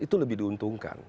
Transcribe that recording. itu lebih diuntungkan